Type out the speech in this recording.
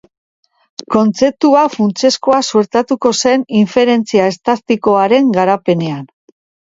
Kontzeptu hau funtsezkoa suertatuko zen inferentzia estatistikoaren garapenean.